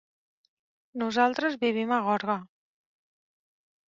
Nosaltres vivim a Gorga.